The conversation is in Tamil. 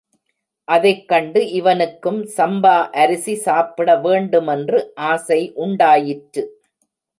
அதைக் கண்டு இவனுக்கும் சம்பா அரிசி சாப்பிட வேண்டுமென்று ஆசை உண்டாயிற்று.